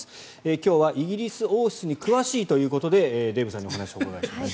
今日はイギリス王室に詳しいということでデーブさんにお話をお伺いします。